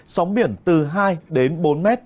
sóng biển từ hai đến bốn mét